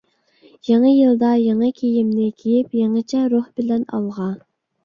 يېڭى يىلدا يېڭى كىيىمنى كىيىپ، يېڭىچە روھ بىلەن ئالغا!